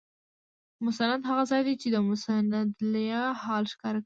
مسند هغه دئ، چي چي د مسندالیه حال ښکاره کوي.